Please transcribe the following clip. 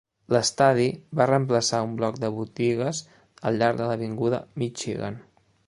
L'estadi va reemplaçar un bloc de botigues al llarg de l'avinguda Michigan.